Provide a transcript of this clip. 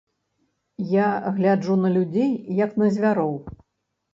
Я гляджу на людзей, як на звяроў.